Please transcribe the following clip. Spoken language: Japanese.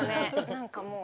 何かもう。